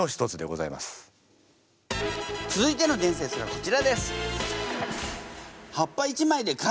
続いての伝説はこちらです。